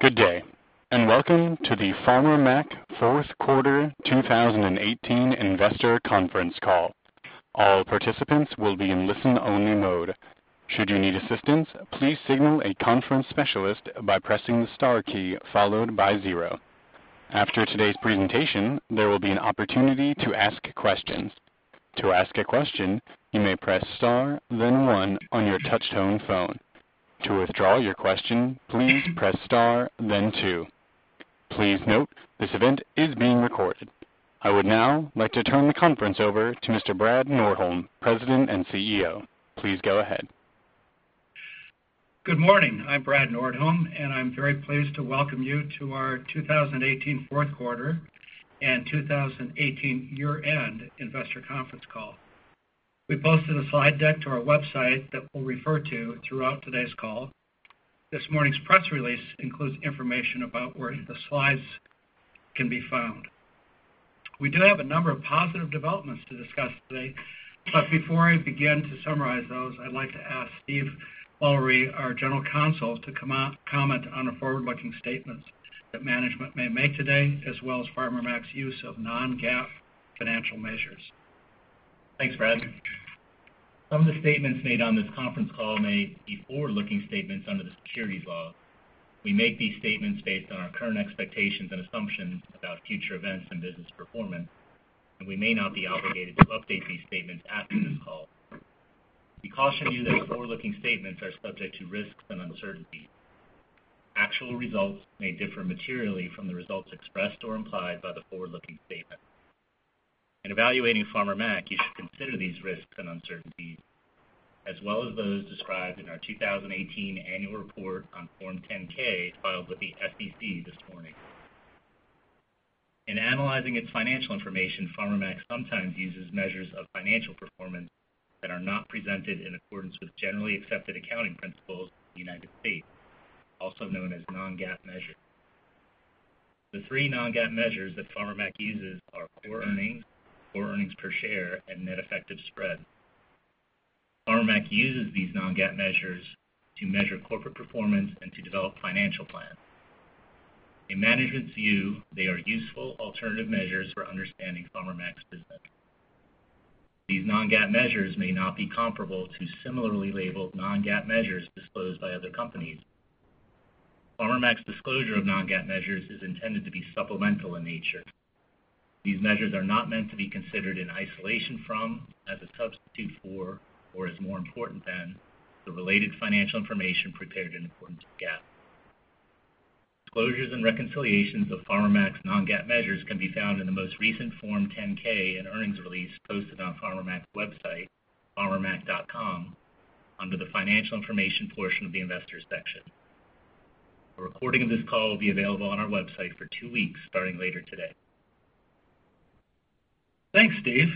Good day. Welcome to the Farmer Mac fourth quarter 2018 investor conference call. All participants will be in listen-only mode. Should you need assistance, please signal a conference specialist by pressing the star key, followed by 0. After today's presentation, there will be an opportunity to ask questions. To ask a question, you may press star then 1 on your touch-tone phone. To withdraw your question, please press star then 2. Please note, this event is being recorded. I would now like to turn the conference over to Mr. Brad Nordholm, President and CEO. Please go ahead. Good morning. I'm Brad Nordholm. I'm very pleased to welcome you to our 2018 fourth quarter and 2018 year-end investor conference call. We posted a slide deck to our website that we'll refer to throughout today's call. This morning's press release includes information about where the slides can be found. We do have a number of positive developments to discuss today. Before I begin to summarize those, I'd like to ask Steve Urlich, our General Counsel, to comment on the forward-looking statements that management may make today as well as Farmer Mac's use of non-GAAP financial measures. Thanks, Brad. Some of the statements made on this conference call may be forward-looking statements under the securities laws. We make these statements based on our current expectations and assumptions about future events and business performance. We may not be obligated to update these statements after this call. We caution you that forward-looking statements are subject to risks and uncertainties. Actual results may differ materially from the results expressed or implied by the forward-looking statement. In evaluating Farmer Mac, you should consider these risks and uncertainties, as well as those described in our 2018 annual report on Form 10-K filed with the SEC this morning. In analyzing its financial information, Farmer Mac sometimes uses measures of financial performance that are not presented in accordance with generally accepted accounting principles in the United States, also known as non-GAAP measures. The three non-GAAP measures that Farmer Mac uses are core earnings, core earnings per share, and net effective spread. Farmer Mac uses these non-GAAP measures to measure corporate performance and to develop financial plans. In management's view, they are useful alternative measures for understanding Farmer Mac's business. These non-GAAP measures may not be comparable to similarly labeled non-GAAP measures disclosed by other companies. Farmer Mac's disclosure of non-GAAP measures is intended to be supplemental in nature. These measures are not meant to be considered in isolation from, as a substitute for, or as more important than, the related financial information prepared in accordance with GAAP. Disclosures and reconciliations of Farmer Mac's non-GAAP measures can be found in the most recent Form 10-K and earnings release posted on Farmer Mac's website, farmermac.com, under the Financial Information portion of the Investors section. A recording of this call will be available on our website for two weeks, starting later today. Thanks, Steve.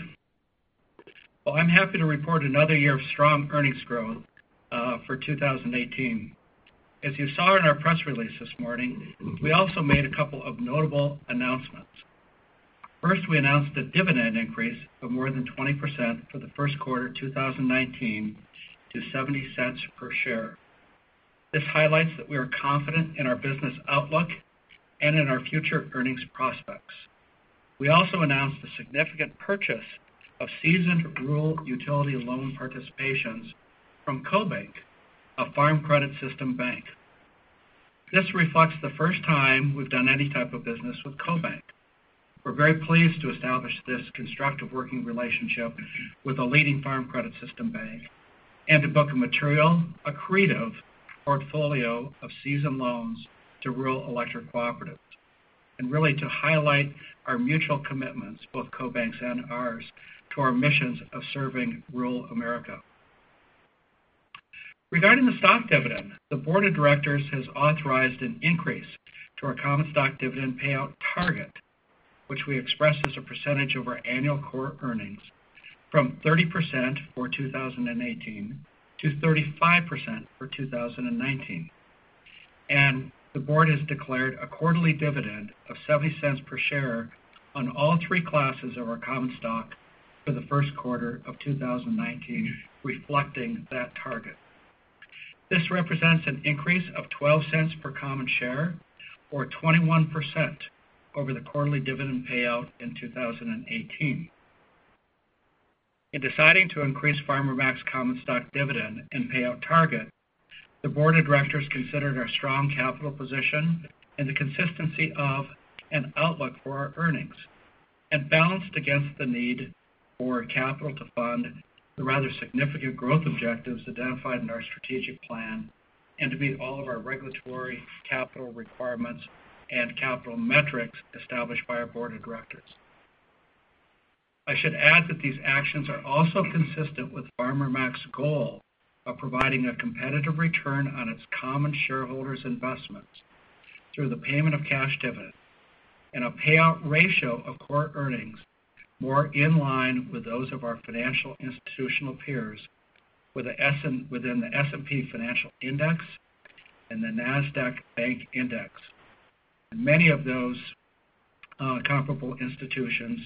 Well, I'm happy to report another year of strong earnings growth for 2018. As you saw in our press release this morning, we also made a couple of notable announcements. First, we announced a dividend increase of more than 20% for the first quarter 2019 to $0.70 per share. This highlights that we are confident in our business outlook and in our future earnings prospects. We also announced the significant purchase of seasoned rural utility loan participations from CoBank, a Farm Credit System bank. This reflects the first time we've done any type of business with CoBank. We're very pleased to establish this constructive working relationship with a leading Farm Credit System bank and to book a material accretive portfolio of seasoned loans to rural electric cooperatives, and really to highlight our mutual commitments, both CoBank's and ours, to our missions of serving rural America. Regarding the stock dividend, the board of directors has authorized an increase to our common stock dividend payout target, which we express as a percentage of our annual core earnings, from 30% for 2018 to 35% for 2019. The board has declared a quarterly dividend of $0.70 per share on all 3 classes of our common stock for the first quarter of 2019, reflecting that target. This represents an increase of $0.12 per common share, or 21%, over the quarterly dividend payout in 2018. In deciding to increase Farmer Mac's common stock dividend and payout target, the board of directors considered our strong capital position and the consistency of an outlook for our earnings and balanced against the need for capital to fund the rather significant growth objectives identified in our strategic plan and to meet all of our regulatory capital requirements and capital metrics established by our board of directors. I should add that these actions are also consistent with Farmer Mac's goal of providing a competitive return on its common shareholders' investments through the payment of cash dividends and a payout ratio of core earnings more in line with those of our financial institutional peers within the S&P Financial Index and the NASDAQ Bank Index. Many of those comparable institutions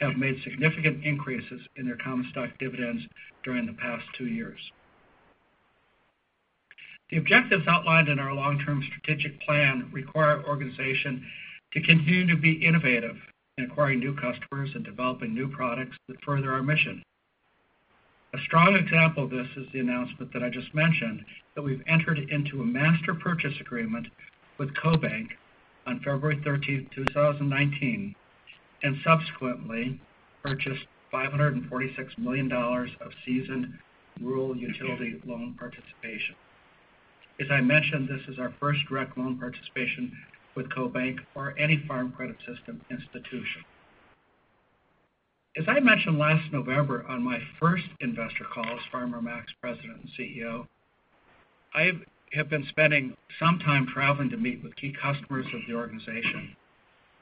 have made significant increases in their common stock dividends during the past two years. The objectives outlined in our long-term strategic plan require our organization to continue to be innovative in acquiring new customers and developing new products that further our mission. A strong example of this is the announcement that I just mentioned, that we've entered into a master purchase agreement with CoBank on February 13th, 2019, and subsequently purchased $546 million of seasoned rural utility loan participation. As I mentioned, this is our first direct loan participation with CoBank or any Farm Credit System institution. As I mentioned last November on my first investor call as Farmer Mac's President and CEO, I have been spending some time traveling to meet with key customers of the organization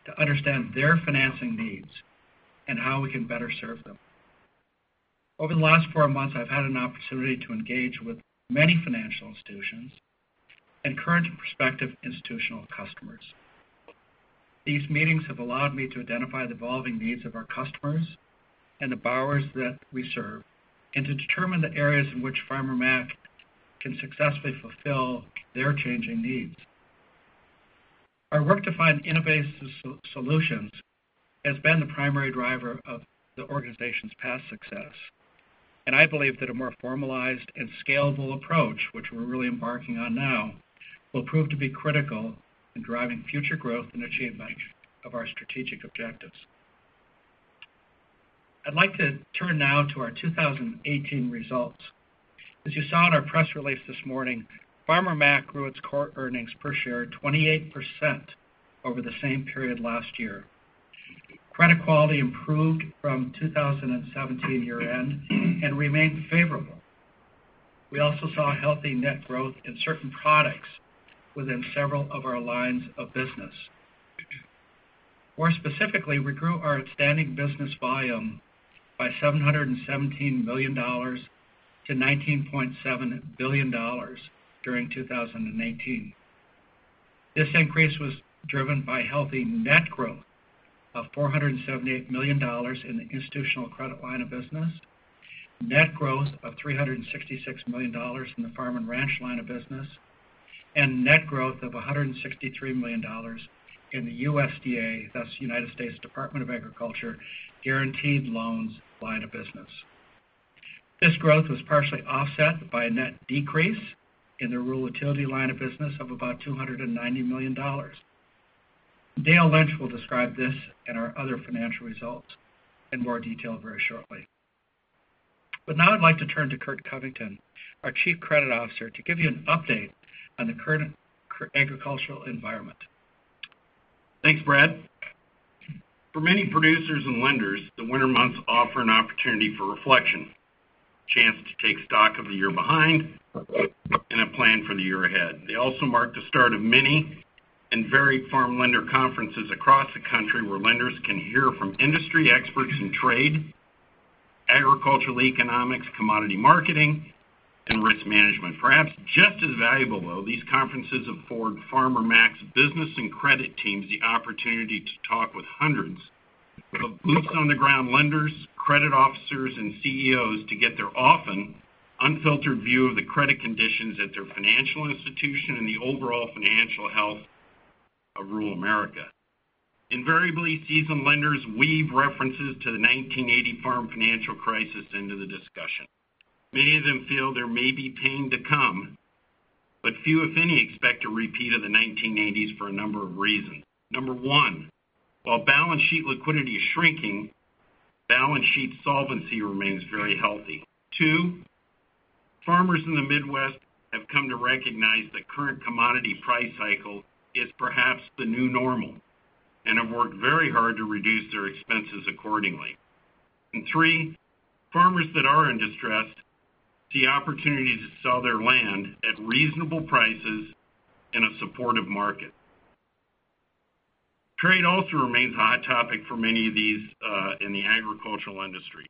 to understand their financing needs and how we can better serve them. Over the last four months, I've had an opportunity to engage with many financial institutions and current and prospective institutional customers. These meetings have allowed me to identify the evolving needs of our customers and the borrowers that we serve, and to determine the areas in which Farmer Mac can successfully fulfill their changing needs. Our work to find innovative solutions has been the primary driver of the organization's past success, and I believe that a more formalized and scalable approach, which we're really embarking on now, will prove to be critical in driving future growth and achievement of our strategic objectives. I'd like to turn now to our 2018 results. As you saw in our press release this morning, Farmer Mac grew its core earnings per share 28% over the same period last year. Credit quality improved from 2017 year-end and remained favorable. We also saw healthy net growth in certain products within several of our lines of business. More specifically, we grew our outstanding business volume by $717 million to $19.7 billion during 2018. This increase was driven by healthy net growth of $478 million in the institutional credit line of business, net growth of $366 million in the farm and ranch line of business, and net growth of $163 million in the USDA, that's United States Department of Agriculture, guaranteed loans line of business. This growth was partially offset by a net decrease in the rural utility line of business of about $290 million. Dale Lynch will describe this and our other financial results in more detail very shortly. Now I'd like to turn to Curt Covington, our Chief Credit Officer, to give you an update on the current agricultural environment. Thanks, Brad. For many producers and lenders, the winter months offer an opportunity for reflection, a chance to take stock of the year behind, and a plan for the year ahead. They also mark the start of many and varied farm lender conferences across the country where lenders can hear from industry experts in trade, agricultural economics, commodity marketing, and risk management. Perhaps just as valuable, though, these conferences afford Farmer Mac's business and credit teams the opportunity to talk with hundreds of boots-on-the-ground lenders, credit officers, and CEOs to get their often unfiltered view of the credit conditions at their financial institution and the overall financial health of rural America. Invariably, seasoned lenders weave references to the 1980 farm financial crisis into the discussion. Many of them feel there may be pain to come, but few, if any, expect a repeat of the 1980s for a number of reasons. Number one, while balance sheet liquidity is shrinking, balance sheet solvency remains very healthy. Two, farmers in the Midwest have come to recognize the current commodity price cycle is perhaps the new normal and have worked very hard to reduce their expenses accordingly. Three, farmers that are in distress see opportunities to sell their land at reasonable prices in a supportive market. Trade also remains a hot topic for many of these in the agricultural industry.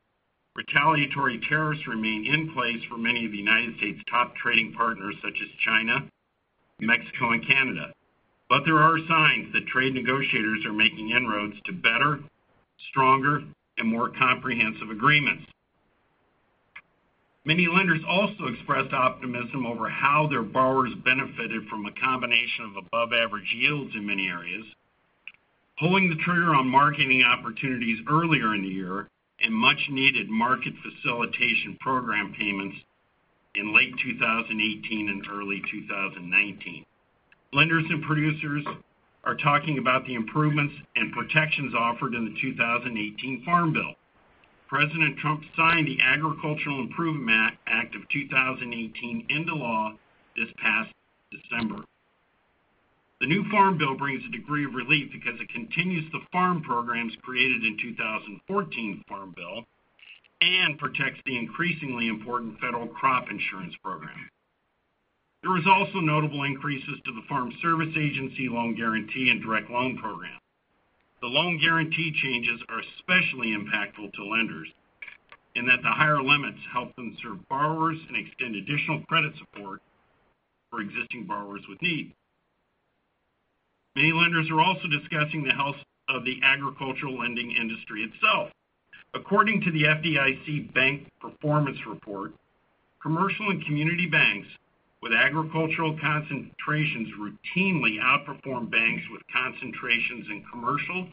Retaliatory tariffs remain in place for many of the U.S.'s top trading partners such as China, Mexico, and Canada. There are signs that trade negotiators are making inroads to better, stronger, and more comprehensive agreements. Many lenders also expressed optimism over how their borrowers benefited from a combination of above-average yields in many areas, pulling the trigger on marketing opportunities earlier in the year, and much-needed Market Facilitation Program payments in late 2018 and early 2019. Lenders and producers are talking about the improvements and protections offered in the 2018 Farm Bill. President Trump signed the Agricultural Improvement Act of 2018 into law this past December. The new Farm Bill brings a degree of relief because it continues the farm programs created in 2014 Farm Bill and protects the increasingly important Federal Crop Insurance Program. There was also notable increases to the Farm Service Agency loan guarantee and direct loan program. The loan guarantee changes are especially impactful to lenders in that the higher limits help them serve borrowers and extend additional credit support for existing borrowers with need. Many lenders are also discussing the health of the agricultural lending industry itself. According to the FDIC Bank Performance Report, commercial and community banks with agricultural concentrations routinely outperform banks with concentrations in commercial,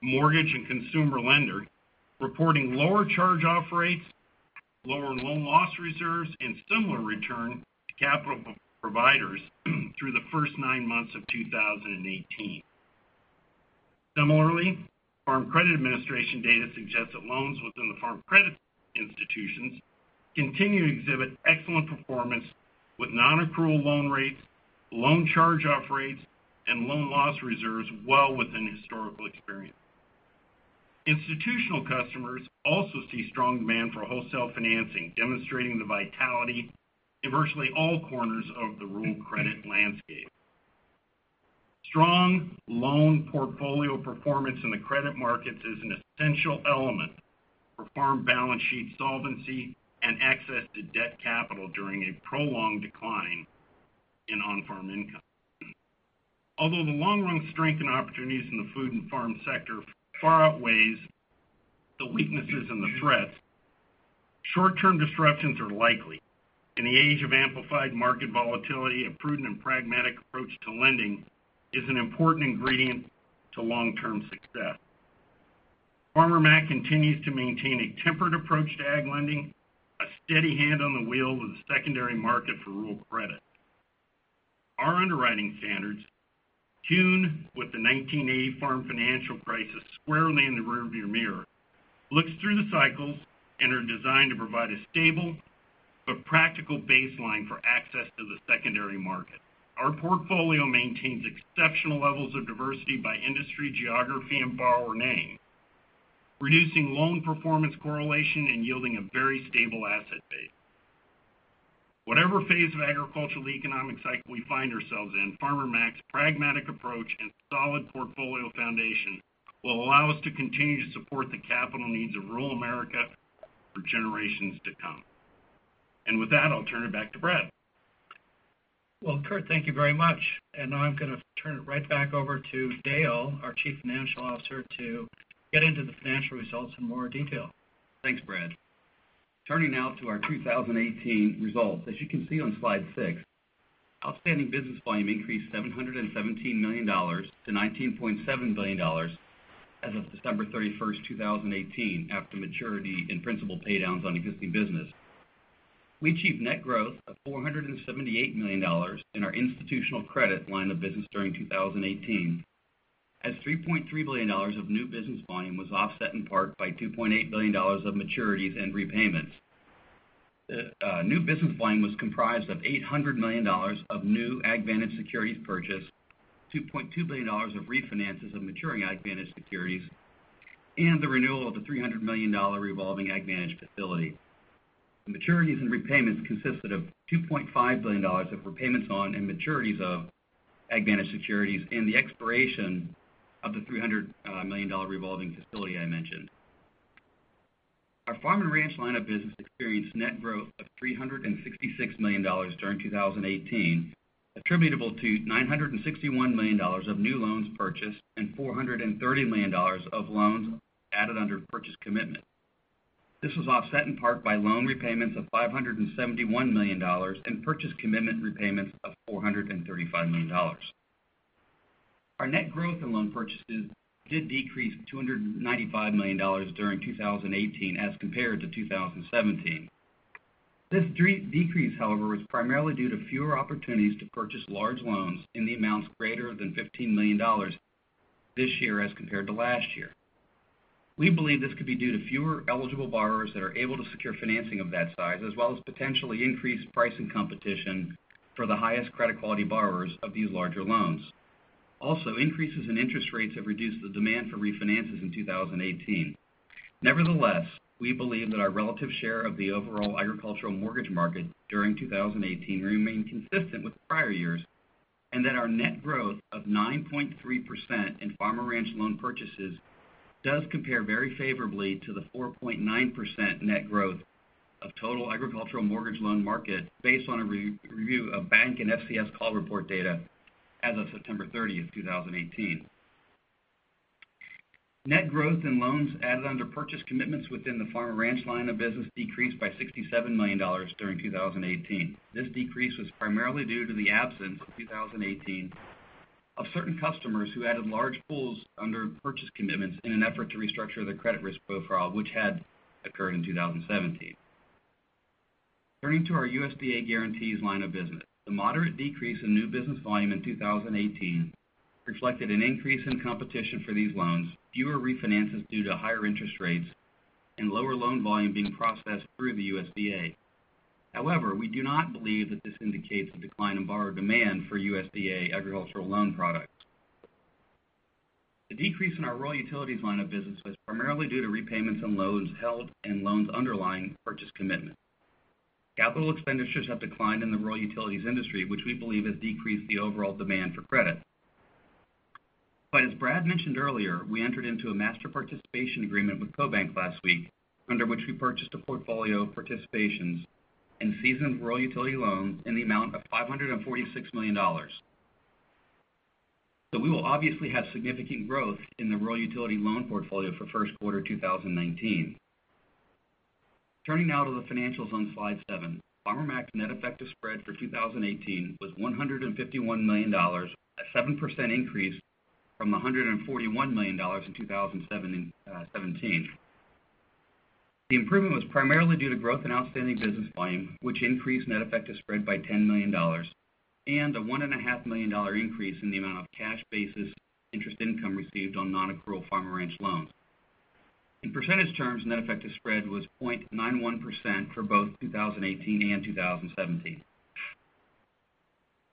mortgage, and consumer lending, reporting lower charge-off rates, lower loan loss reserves, and similar return to capital providers through the first nine months of 2018. Similarly, Farm Credit Administration data suggests that loans within the Farm Credit institutions continue to exhibit excellent performance with non-accrual loan rates, loan charge-off rates, and loan loss reserves well within historical experience. Institutional customers also see strong demand for wholesale financing, demonstrating the vitality in virtually all corners of the rural credit landscape. Strong loan portfolio performance in the credit markets is an essential element for farm balance sheet solvency and access to debt capital during a prolonged decline in on-farm income. The long-run strength and opportunities in the food and farm sector far outweighs the weaknesses and the threats, short-term disruptions are likely. In the age of amplified market volatility, a prudent and pragmatic approach to lending is an important ingredient to long-term success. Farmer Mac continues to maintain a tempered approach to ag lending, a steady hand on the wheel of the secondary market for rural credit. Our underwriting standards, tuned with the 1980 farm financial crisis squarely in the rear view mirror, looks through the cycles and are designed to provide a stable but practical baseline for access to the secondary market. Our portfolio maintains exceptional levels of diversity by industry, geography, and borrower name, reducing loan performance correlation and yielding a very stable asset base. Whatever phase of agricultural economic cycle we find ourselves in, Farmer Mac's pragmatic approach and solid portfolio foundation will allow us to continue to support the capital needs of rural America for generations to come. With that, I'll turn it back to Brad. Well, Curt, thank you very much. Now I'm going to turn it right back over to Dale, our Chief Financial Officer, to get into the financial results in more detail. Thanks, Brad. Turning now to our 2018 results. As you can see on slide six, outstanding business volume increased $717 million to $19.7 billion as of December 31st, 2018, after maturity and principal paydowns on existing business. We achieved net growth of $478 million in our institutional credit line of business during 2018, as $3.3 billion of new business volume was offset in part by $2.8 billion of maturities and repayments. New business volume was comprised of $800 million of new AgVantage securities purchased, $2.2 billion of refinances of maturing AgVantage securities, and the renewal of the $300 million revolving AgVantage facility. Maturities and repayments consisted of $2.5 billion of repayments on and maturities of AgVantage securities and the expiration of the $300 million revolving facility I mentioned. Our farm and ranch line of business experienced net growth of $366 million during 2018, attributable to $961 million of new loans purchased and $430 million of loans added under purchase commitment. This was offset in part by loan repayments of $571 million and purchase commitment repayments of $435 million. Our net growth in loan purchases did decrease $295 million during 2018 as compared to 2017. This decrease, however, was primarily due to fewer opportunities to purchase large loans in the amounts greater than $15 million this year as compared to last year. We believe this could be due to fewer eligible borrowers that are able to secure financing of that size, as well as potentially increased pricing competition for the highest credit quality borrowers of these larger loans. Also, increases in interest rates have reduced the demand for refinances in 2018. Nevertheless, we believe that our relative share of the overall agricultural mortgage market during 2018 remained consistent with prior years, and that our net growth of 9.3% in farm and ranch loan purchases does compare very favorably to the 4.9% net growth of total agricultural mortgage loan market based on a review of bank and FCS call report data as of September 30, 2018. Net growth in loans added under purchase commitments within the farm and ranch line of business decreased by $67 million during 2018. This decrease was primarily due to the absence in 2018 of certain customers who added large pools under purchase commitments in an effort to restructure their credit risk profile, which had occurred in 2017. Turning to our USDA guarantees line of business. The moderate decrease in new business volume in 2018 reflected an increase in competition for these loans, fewer refinances due to higher interest rates, and lower loan volume being processed through the USDA. However, we do not believe that this indicates a decline in borrower demand for USDA agricultural loan products. The decrease in our rural utilities line of business was primarily due to repayments on loans held and loans underlying purchase commitment. Capital expenditures have declined in the rural utilities industry, which we believe has decreased the overall demand for credit. As Brad mentioned earlier, we entered into a master participation agreement with CoBank last week, under which we purchased a portfolio of participations and seasoned rural utility loans in the amount of $546 million. We will obviously have significant growth in the rural utility loan portfolio for first quarter 2019. Turning now to the financials on slide seven. Farmer Mac's net effective spread for 2018 was $151 million, a 7% increase from $141 million in 2017. The improvement was primarily due to growth in outstanding business volume, which increased net effective spread by $10 million, and a $1.5 million increase in the amount of cash basis interest income received on non-accrual farm and ranch loans. In percentage terms, net effective spread was 0.91% for both 2018 and 2017.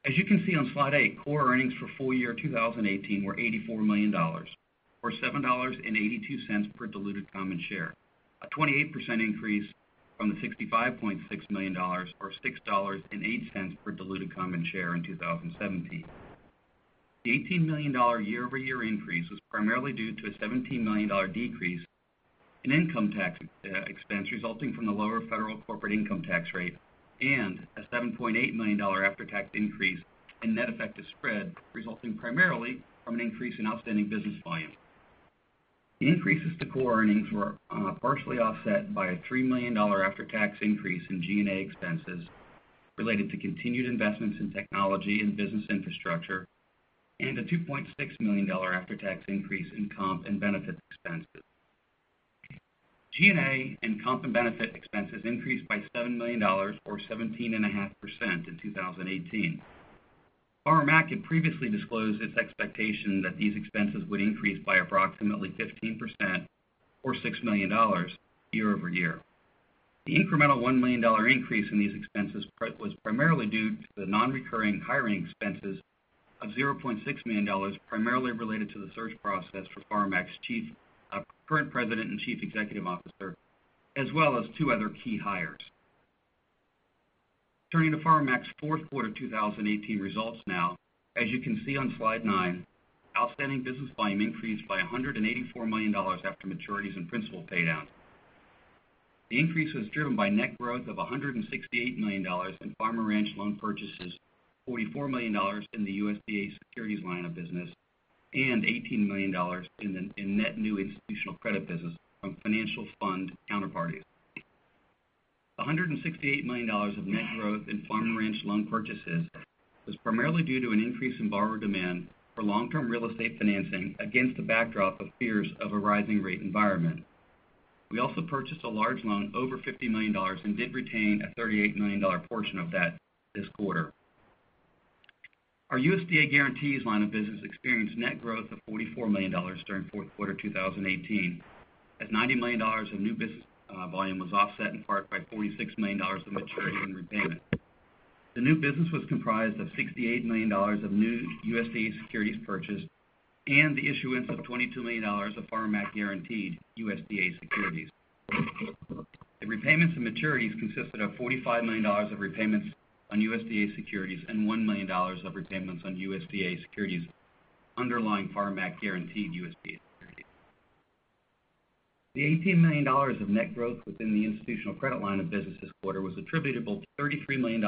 As you can see on slide eight, core earnings for full year 2018 were $84 million, or $7.82 per diluted common share, a 28% increase from the $65.6 million, or $6.08 per diluted common share in 2017. The $18 million year-over-year increase was primarily due to a $17 million decrease in income tax expense resulting from the lower federal corporate income tax rate, and a $7.8 million after-tax increase in net effective spread, resulting primarily from an increase in outstanding business volume. The increases to core earnings were partially offset by a $3 million after-tax increase in G&A expenses related to continued investments in technology and business infrastructure, and a $2.6 million after-tax increase in comp and benefits expenses. G&A and comp and benefit expenses increased by $7 million, or 17.5% in 2018. Farmer Mac had previously disclosed its expectation that these expenses would increase by approximately 15%, or $6 million, year-over-year. The incremental $1 million increase in these expenses was primarily due to the non-recurring hiring expenses of $0.6 million, primarily related to the search process for Farmer Mac's current president and chief executive officer, as well as two other key hires. Turning to Farmer Mac's fourth quarter 2018 results now. As you can see on slide nine, outstanding business volume increased by $184 million after maturities and principal paydowns. The increase was driven by net growth of $168 million in farm and ranch loan purchases, $44 million in the USDA securities line of business, and $18 million in net new institutional credit business from financial fund counterparties. The $168 million of net growth in farm and ranch loan purchases was primarily due to an increase in borrower demand for long-term real estate financing against a backdrop of fears of a rising rate environment. We also purchased a large loan over $50 million and did retain a $38 million portion of that this quarter. Our USDA guarantees line of business experienced net growth of $44 million during fourth quarter 2018, as $90 million of new business volume was offset in part by $46 million of maturity and repayment. The new business was comprised of $68 million of new USDA securities purchased and the issuance of $22 million of Farmer Mac-guaranteed USDA securities. The repayments and maturities consisted of $45 million of repayments on USDA securities and $1 million of repayments on USDA securities underlying Farmer Mac-guaranteed USDA securities. The $18 million of net growth within the institutional credit line of business this quarter was attributable to $33 million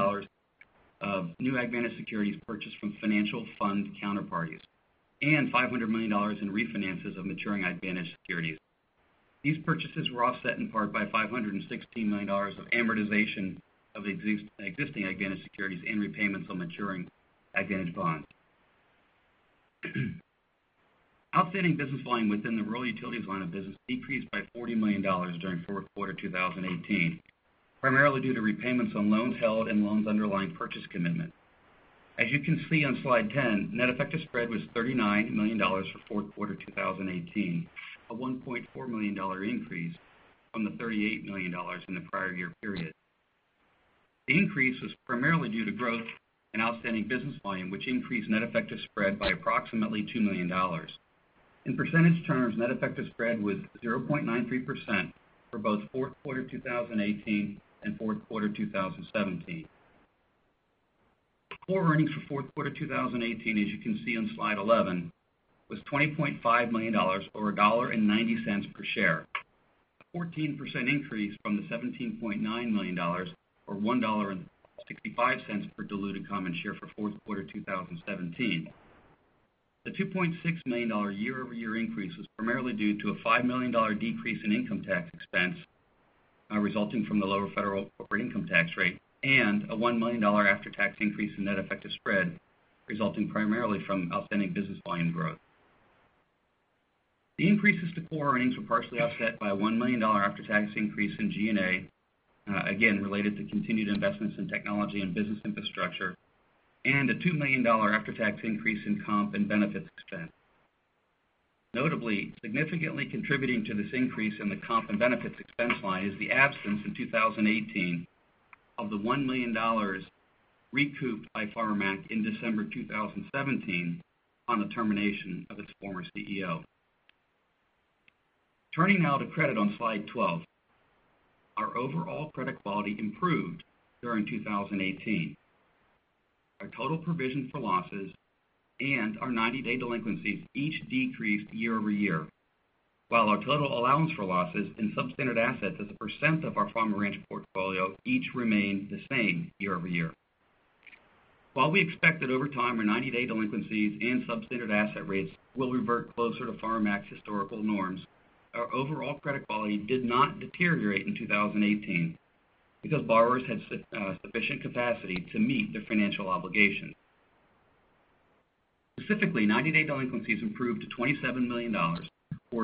of new AgVantage securities purchased from financial fund counterparties, and $500 million in refinances of maturing AgVantage securities. These purchases were offset in part by $516 million of amortization of existing AgVantage securities and repayments on maturing AgVantage bonds. Outstanding business volume within the rural utilities line of business decreased by $40 million during fourth quarter 2018, primarily due to repayments on loans held and loans underlying purchase commitment. As you can see on slide 10, net effective spread was $39 million for fourth quarter 2018, a $1.4 million increase from the $38 million in the prior year period. The increase was primarily due to growth in outstanding business volume, which increased net effective spread by approximately $2 million. In percentage terms, net effective spread was 0.93% for both fourth quarter 2018 and fourth quarter 2017. Core earnings for fourth quarter 2018, as you can see on slide 11, was $20.5 million, or $1.90 per share, a 14% increase from the $17.9 million, or $1.65 per diluted common share for fourth quarter 2017. The $2.6 million year-over-year increase was primarily due to a $5 million decrease in income tax expense resulting from the lower federal corporate income tax rate, and a $1 million after-tax increase in net effective spread, resulting primarily from outstanding business volume growth. The increases to core earnings were partially offset by a $1 million after-tax increase in G&A, again related to continued investments in technology and business infrastructure, and a $2 million after-tax increase in comp and benefits expense. Notably, significantly contributing to this increase in the comp and benefits expense line is the absence in 2018 of the $1 million recouped by Farmer Mac in December 2017 on the termination of its former CEO. Turning now to credit on slide 12. Our overall credit quality improved during 2018. Our total provision for losses and our 90-day delinquencies each decreased year-over-year, while our total allowance for losses and substandard assets as a percent of our farm and ranch portfolio each remained the same year-over-year. While we expect that over time, our 90-day delinquencies and substandard asset rates will revert closer to Farmer Mac historical norms, our overall credit quality did not deteriorate in 2018 because borrowers had sufficient capacity to meet their financial obligations. Specifically, 90-day delinquencies improved to $27 million, or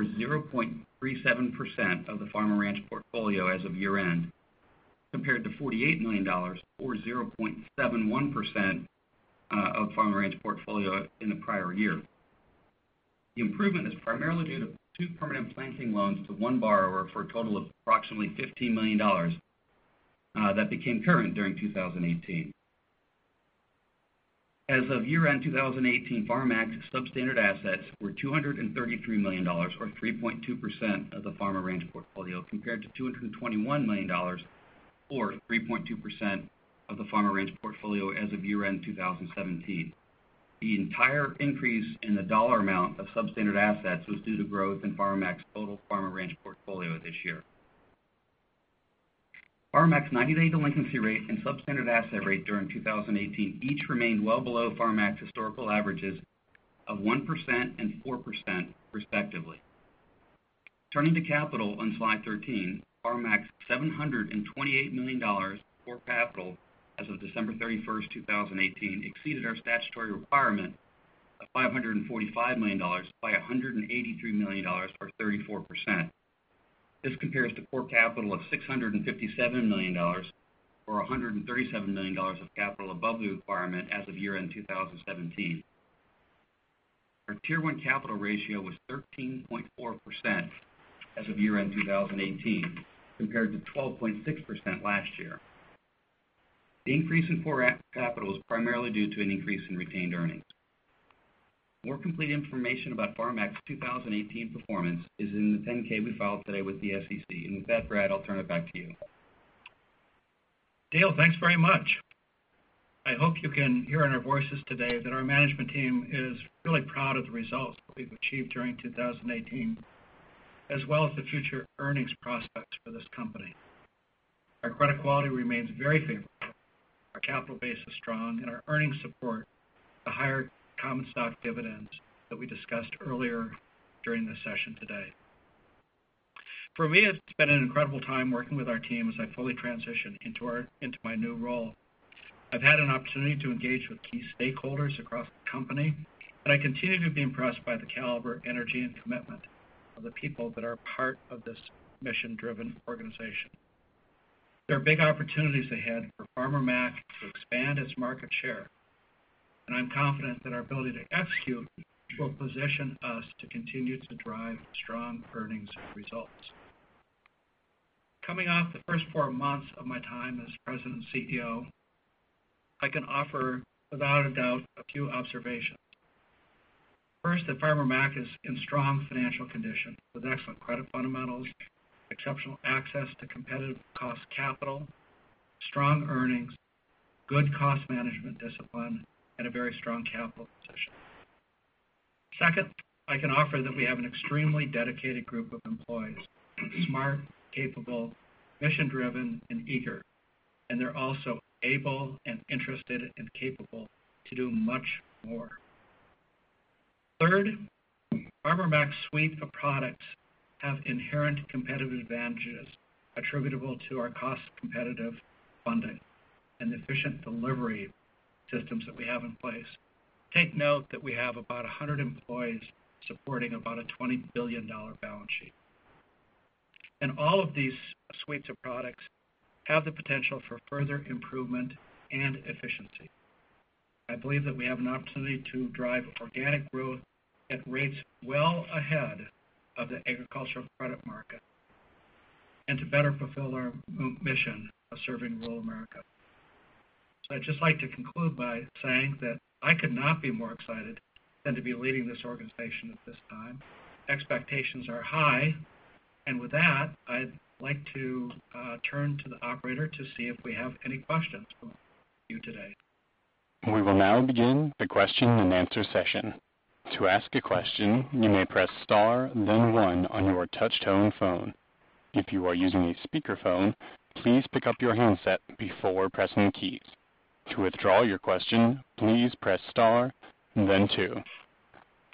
0.37% of the farm and ranch portfolio as of year-end, compared to $48 million, or 0.71% of farm and ranch portfolio in the prior year. The improvement is primarily due to two permanent planting loans to one borrower for a total of approximately $15 million that became current during 2018. As of year-end 2018, Farmer Mac substandard assets were $233 million, or 3.2% of the farm and ranch portfolio, compared to $221 million, or 3.2% of the farm and ranch portfolio as of year-end 2017. The entire increase in the dollar amount of substandard assets was due to growth in Farmer Mac's total farm and ranch portfolio this year. Farmer Mac's 90-day delinquency rate and substandard asset rate during 2018 each remained well below Farmer Mac's historical averages of 1% and 4%, respectively. Turning to capital on slide 13, Farmer Mac's $728 million core capital as of December 31st, 2018 exceeded our statutory requirement of $545 million by $183 million, or 34%. This compares to core capital of $657 million, or $137 million of capital above the requirement as of year-end 2017. Our Tier 1 capital ratio was 13.4% as of year-end 2018, compared to 12.6% last year. The increase in core capital was primarily due to an increase in retained earnings. More complete information about Farmer Mac's 2018 performance is in the 10-K we filed today with the SEC. With that, Brad, I'll turn it back to you. Dale, thanks very much. I hope you can hear in our voices today that our management team is really proud of the results that we've achieved during 2018, as well as the future earnings prospects for this company. Our credit quality remains very favorable. Our capital base is strong, and our earnings support the higher common stock dividends that we discussed earlier during this session today. For me, it's been an incredible time working with our team as I fully transition into my new role. I've had an opportunity to engage with key stakeholders across the company, and I continue to be impressed by the caliber, energy, and commitment of the people that are part of this mission-driven organization. There are big opportunities ahead for Farmer Mac to expand its market share, and I'm confident that our ability to execute will position us to continue to drive strong earnings results. Coming off the first four months of my time as President and CEO, I can offer, without a doubt, a few observations. First, that Farmer Mac is in strong financial condition with excellent credit fundamentals, exceptional access to competitive cost capital, strong earnings, good cost management discipline, and a very strong capital position. Second, I can offer that we have an extremely dedicated group of employees, smart, capable, mission-driven, and eager, and they're also able and interested and capable to do much more. Third, Farmer Mac's suite of products have inherent competitive advantages attributable to our cost-competitive funding and efficient delivery systems that we have in place. Take note that we have about 100 employees supporting about a $20 billion balance sheet. All of these suites of products have the potential for further improvement and efficiency. I believe that we have an opportunity to drive organic growth at rates well ahead of the agricultural credit market and to better fulfill our mission of serving rural America. I'd just like to conclude by saying that I could not be more excited than to be leading this organization at this time. Expectations are high. With that, I'd like to turn to the operator to see if we have any questions from you today. We will now begin the question and answer session. To ask a question, you may press star, then one on your touch-tone phone. If you are using a speakerphone, please pick up your handset before pressing keys. To withdraw your question, please press star, then two.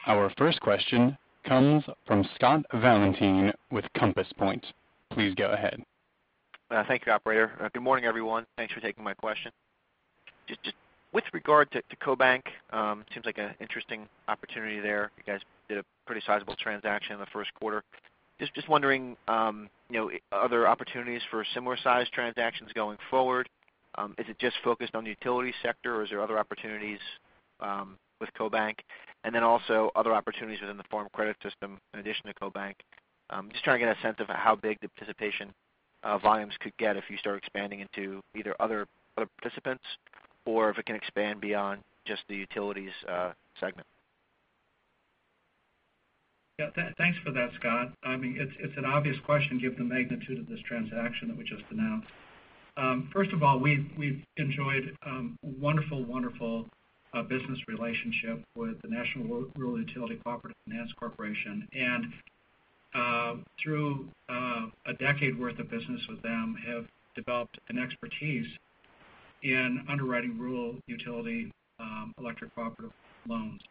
Our first question comes from Scott Valentin with Compass Point. Please go ahead. Thank you, operator. Good morning, everyone. Thanks for taking my question. Just with regard to CoBank, it seems like an interesting opportunity there. You guys did a pretty sizable transaction in the first quarter. Just wondering, are there opportunities for similar size transactions going forward? Is it just focused on the utility sector, or is there other opportunities with CoBank? Then also other opportunities within the Farm Credit System in addition to CoBank. Just trying to get a sense of how big the participation volumes could get if you start expanding into either other participants or if it can expand beyond just the utilities segment. Thanks for that, Scott. It's an obvious question given the magnitude of this transaction that we just announced. First of all, we've enjoyed a wonderful business relationship with the National Rural Utilities Cooperative Finance Corporation, and through a decade worth of business with them, have developed an expertise in underwriting rural utility electric cooperative loans.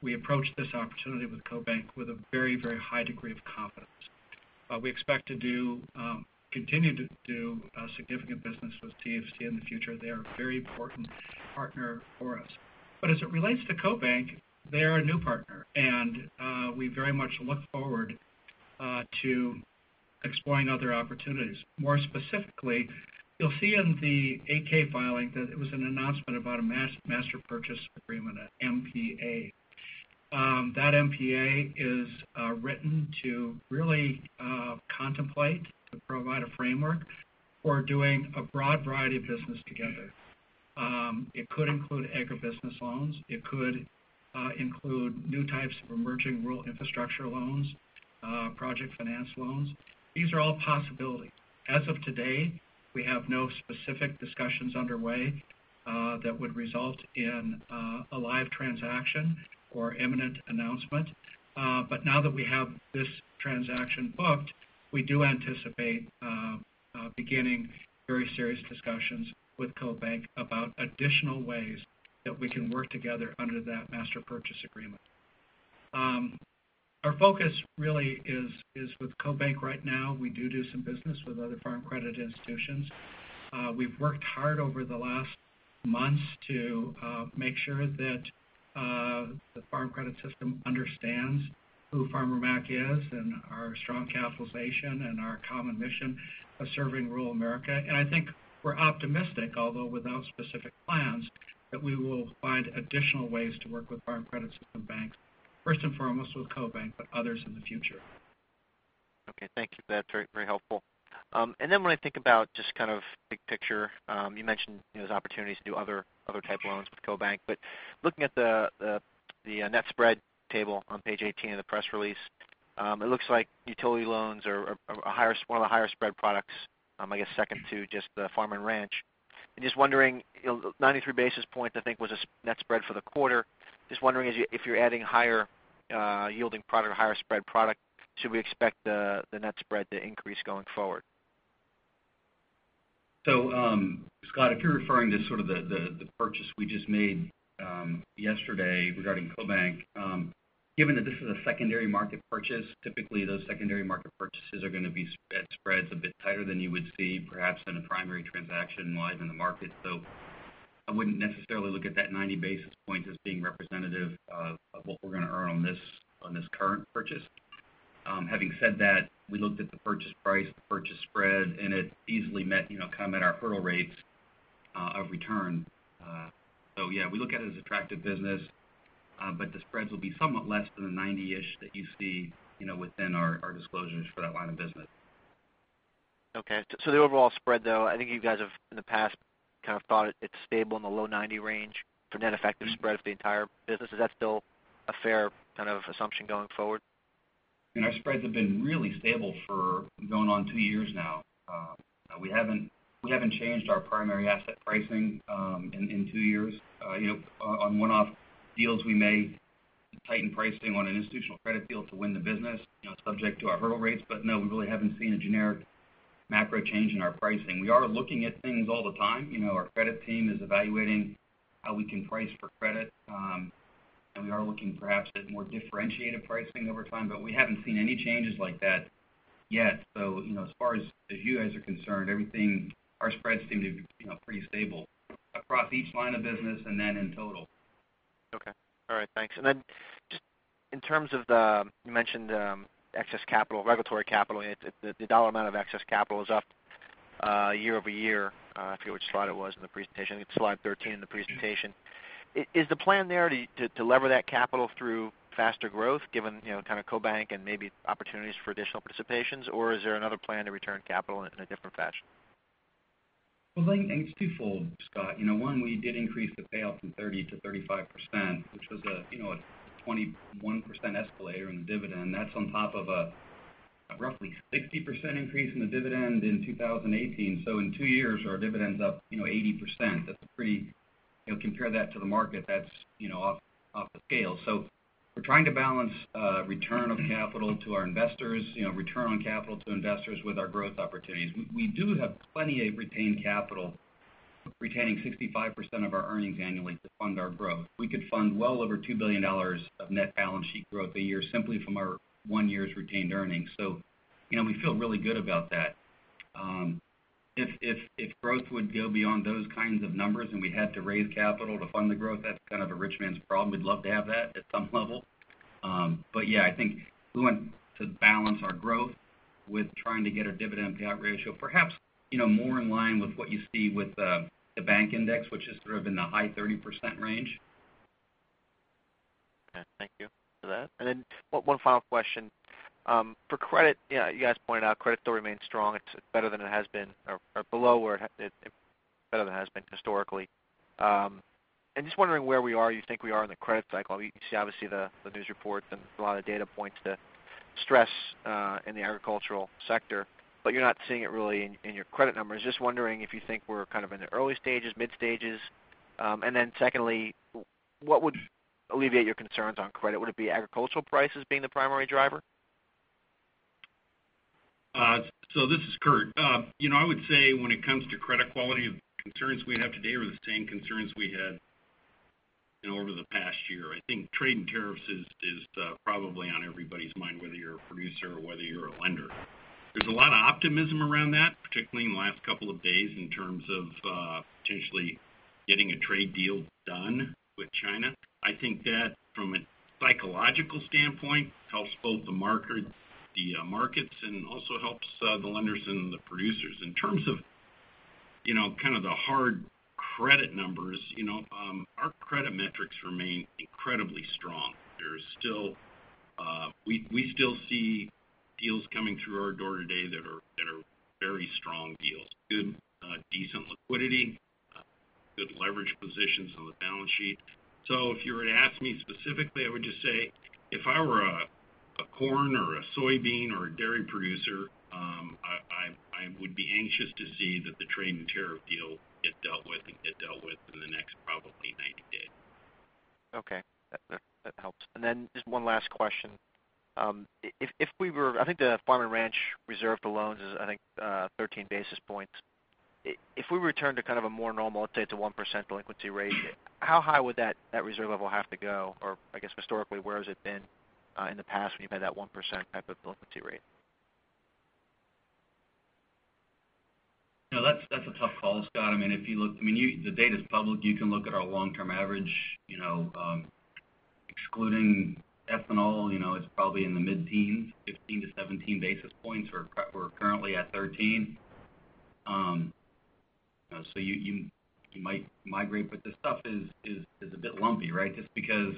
We approached this opportunity with CoBank with a very high degree of confidence. We expect to continue to do significant business with CFC in the future. They are a very important partner for us. But as it relates to CoBank, they're a new partner, and we very much look forward to exploring other opportunities. More specifically, you'll see in the 8-K filing that it was an announcement about a master purchase agreement, an MPA. That MPA is written to really contemplate, to provide a framework for doing a broad variety of business together. It could include agribusiness loans, it could include new types of emerging rural infrastructure loans, project finance loans. These are all possibilities. As of today, we have no specific discussions underway that would result in a live transaction or imminent announcement. But now that we have this transaction booked, we do anticipate beginning very serious discussions with CoBank about additional ways that we can work together under that master purchase agreement. Our focus really is with CoBank right now. We do some business with other Farm Credit institutions. We've worked hard over the last months to make sure that the Farm Credit System understands who Farmer Mac is and our strong capitalization and our common mission of serving rural America. I think we're optimistic, although without specific plans, that we will find additional ways to work with Farm Credit System banks, first and foremost with CoBank, but others in the future. Thank you for that. Very helpful. Then when I think about just kind of big picture, you mentioned those opportunities to do other type of loans with CoBank, but looking at the net spread table on page 18 of the press release, it looks like utility loans are one of the higher spread products, I guess second to just the farm and ranch. I'm just wondering, 93 basis points I think was a net spread for the quarter. Just wondering if you're adding higher yielding product or higher spread product, should we expect the net spread to increase going forward? Scott, if you're referring to sort of the purchase we just made yesterday regarding CoBank, given that this is a secondary market purchase, typically those secondary market purchases are going to be spreads a bit tighter than you would see perhaps in a primary transaction live in the market. I wouldn't necessarily look at that 90 basis points as being representative of what we're going to earn on this current purchase. Having said that, we looked at the purchase price, the purchase spread, and it easily met kind of at our hurdle rates of return. Yeah, we look at it as attractive business, but the spreads will be somewhat less than the 90-ish that you see within our disclosures for that line of business. Okay. The overall spread, though, I think you guys have, in the past, kind of thought it's stable in the low 90 range for net effective spread of the entire business. Is that still a fair kind of assumption going forward? Our spreads have been really stable for going on two years now. We haven't changed our primary asset pricing in two years. On one-off deals, we may tighten pricing on an institutional credit deal to win the business, subject to our hurdle rates. No, we really haven't seen a generic macro change in our pricing. We are looking at things all the time. Our credit team is evaluating how we can price for credit. We are looking perhaps at more differentiated pricing over time, but we haven't seen any changes like that yet. As far as you guys are concerned, our spreads seem to be pretty stable across each line of business and then in total. Okay. All right, thanks. Just in terms of the-- you mentioned excess capital, regulatory capital, the dollar amount of excess capital is up year-over-year. I forget which slide it was in the presentation. I think it's slide 13 in the presentation. Is the plan there to lever that capital through faster growth given kind of CoBank and maybe opportunities for additional participations? Is there another plan to return capital in a different fashion? I think it's twofold, Scott. One, we did increase the payout from 30% to 35%, which was a 21% escalator in the dividend. That's on top of a roughly 60% increase in the dividend in 2018. In two years, our dividend's up 80%. Compare that to the market, that's off the scale. We're trying to balance return of capital to our investors, return on capital to investors with our growth opportunities. We do have plenty of retained capital, retaining 65% of our earnings annually to fund our growth. We could fund well over $2 billion of net balance sheet growth a year simply from our one year's retained earnings. We feel really good about that. If growth would go beyond those kinds of numbers and we had to raise capital to fund the growth, that's kind of a rich man's problem. We'd love to have that at some level. Yeah, I think we want to balance our growth with trying to get a dividend payout ratio, perhaps more in line with what you see with the bank index, which is sort of in the high 30% range. Thank you for that. One final question. For credit, you guys pointed out credit still remains strong. It's better than it has been, or better than it has been historically. I'm just wondering where we are, you think we are in the credit cycle. You see, obviously, the news reports and a lot of data points to stress in the agricultural sector, but you're not seeing it really in your credit numbers. Just wondering if you think we're kind of in the early stages, mid stages. Secondly, what would alleviate your concerns on credit? Would it be agricultural prices being the primary driver? This is Curt. I would say when it comes to credit quality, the concerns we have today are the same concerns we had over the past year. I think trade and tariffs is probably on everybody's mind, whether you're a producer or whether you're a lender. There's a lot of optimism around that, particularly in the last couple of days, in terms of potentially getting a trade deal done with China. I think that, from a psychological standpoint, helps both the markets and also helps the lenders and the producers. In terms of kind of the hard credit numbers, our credit metrics remain incredibly strong. We still see deals coming through our door today that are very strong deals. Good, decent liquidity, good leverage positions on the balance sheet. If you were to ask me specifically, I would just say, if I were a corn or a soybean or a dairy producer, I would be anxious to see that the trade and tariff deal get dealt with, and get dealt with in the next probably 90 days. Okay. That helps. Just one last question. I think the farm and ranch reserve for loans is, I think, 13 basis points. If we return to kind of a more normal, let's say it's a 1% delinquency rate, how high would that reserve level have to go? Or I guess historically, where has it been in the past when you've had that 1% type of delinquency rate? That's a tough call, Scott. The data's public. You can look at our long-term average. Excluding ethanol, it's probably in the mid-teens, 15-17 basis points. We're currently at 13. You might migrate, but this stuff is a bit lumpy, right? Just because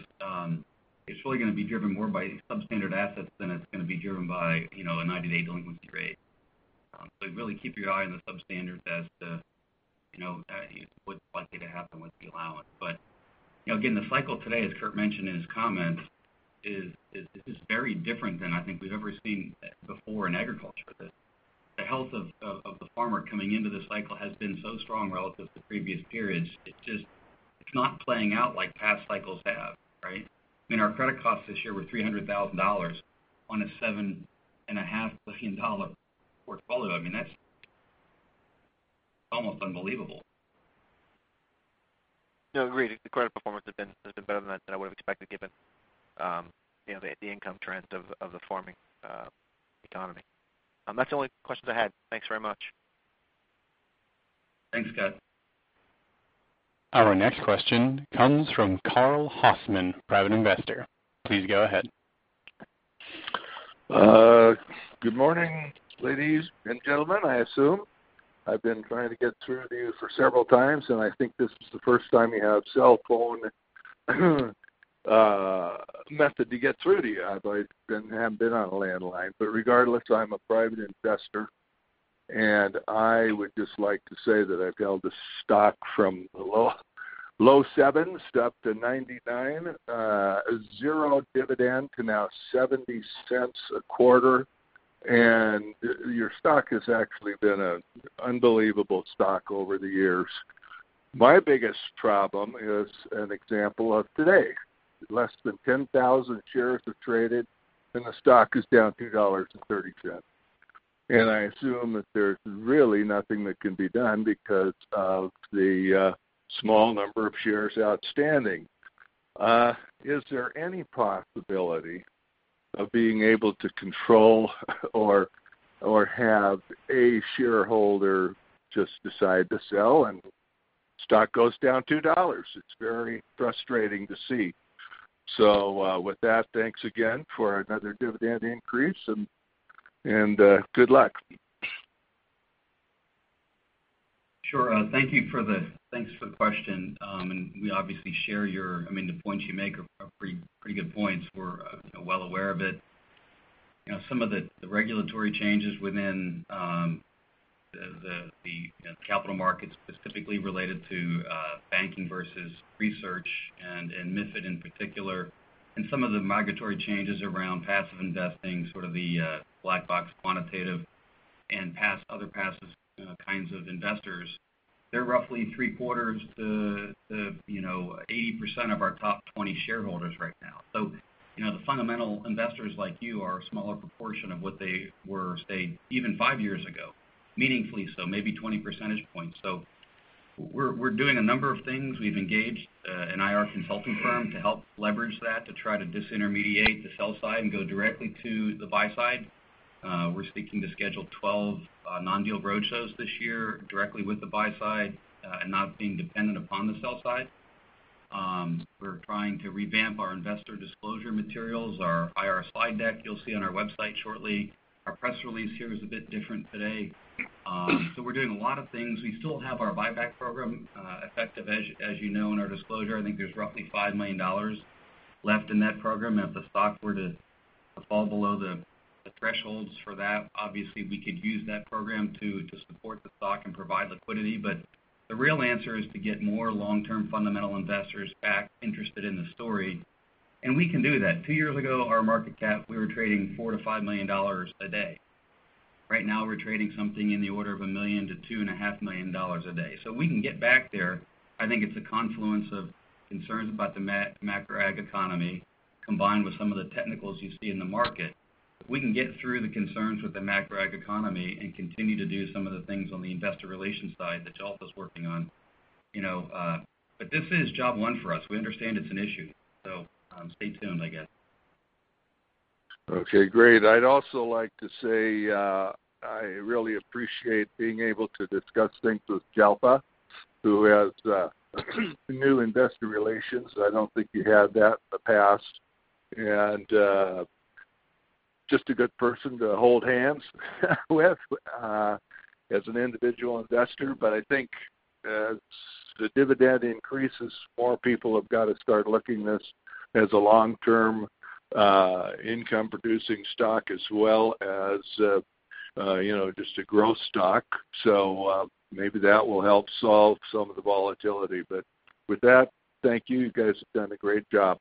it's really going to be driven more by substandard assets than it's going to be driven by a 90-day delinquency rate. Really keep your eye on the substandard as to what's likely to happen with the allowance. Again, the cycle today, as Curt mentioned in his comments, is very different than I think we've ever seen before in agriculture. The health of the farmer coming into this cycle has been so strong relative to previous periods. It's not playing out like past cycles have, right? Our credit costs this year were $300,000 on a $7.5 million portfolio. That's almost unbelievable. Agreed. The credit performance has been better than I would've expected given the income trends of the farming economy. That's the only questions I had. Thanks very much. Thanks, Scott. Our next question comes from Carl Hoffman, private investor. Please go ahead. Good morning, ladies and gentlemen, I assume. I've been trying to get through to you for several times. I think this is the first time you have cell phone method to get through to you. I haven't been on a landline. Regardless, I'm a private investor. I would just like to say that I've held this stock from the low sevens up to 99. Zero dividend to now $0.70 a quarter. Your stock has actually been an unbelievable stock over the years. My biggest problem is an example of today. Less than 10,000 shares have traded. The stock is down $2.30. I assume that there's really nothing that can be done because of the small number of shares outstanding. Is there any possibility of being able to control or have a shareholder just decide to sell and stock goes down $2? It's very frustrating to see. With that, thanks again for another dividend increase, good luck. Sure. Thanks for the question. The points you make are pretty good points. We are well aware of it. Some of the regulatory changes within the capital markets specifically related to banking versus research and MiFID in particular, and some of the migratory changes around passive investing, sort of the black box quantitative and other passive kinds of investors, they are roughly three-quarters to 80% of our top 20 shareholders right now. The fundamental investors like you are a smaller proportion of what they were, say, even five years ago, meaningfully so, maybe 20 percentage points. We are doing a number of things. We have engaged an IR consulting firm to help leverage that to try to disintermediate the sell side and go directly to the buy side. We are speaking to Schedule 12 non-deal roadshows this year directly with the buy side and not being dependent upon the sell side. We are trying to revamp our investor disclosure materials, our IR slide deck you will see on our website shortly. Our press release here is a bit different today. We are doing a lot of things. We still have our buyback program effective, as you know, in our disclosure. I think there is roughly $5 million left in that program. If the stock were to fall below the thresholds for that. Obviously, we could use that program to support the stock and provide liquidity. The real answer is to get more long-term fundamental investors back interested in the story, and we can do that. Two years ago, our market cap, we were trading $4 million to $5 million a day. Right now, we are trading something in the order of $1 million to $2.5 million a day. We can get back there. I think it is a confluence of concerns about the macro ag economy, combined with some of the technicals you see in the market. If we can get through the concerns with the macro ag economy and continue to do some of the things on the investor relations side that Jalpa is working on. This is job one for us. We understand it is an issue. Stay tuned, I guess. Okay, great. I would also like to say, I really appreciate being able to discuss things with Jalpa, who has new investor relations. I don't think you had that in the past. Just a good person to hold hands with, as an individual investor. I think as the dividend increases, more people have got to start looking this as a long-term income producing stock as well as just a growth stock. Maybe that will help solve some of the volatility. With that, thank you. You guys have done a great job.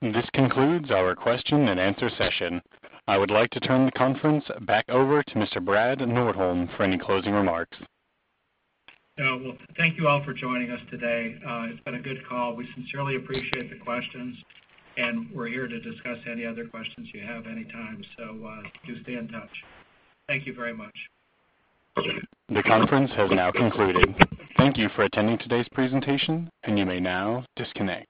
This concludes our question and answer session. I would like to turn the conference back over to Mr. Brad Nordholm for any closing remarks. Well, thank you all for joining us today. It's been a good call. We sincerely appreciate the questions. We're here to discuss any other questions you have anytime. Do stay in touch. Thank you very much. Okay. The conference has now concluded. Thank you for attending today's presentation. You may now disconnect.